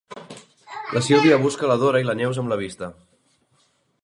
La Sílvia busca la Dora i la Neus amb la vista.